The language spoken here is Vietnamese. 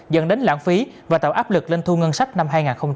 dẫn đến lãng phí và tạo áp lực lên thu ngân sách năm hai nghìn hai mươi ba